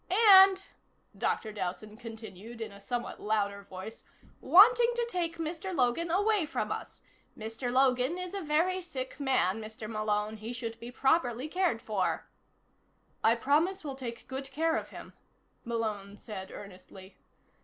"And," Dr. Dowson continued in a somewhat louder voice, "wanting to take Mr. Logan away from us. Mr. Logan is a very sick man, Mr. Malone. He should be properly cared for." "I promise we'll take good care of him," Malone said earnestly.